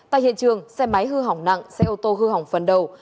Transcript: tại hiện trường xe máy hư hỏng nặng xe ô tô hư hỏng phần đầu